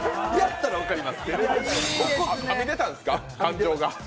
はみ出たんですか、感情が。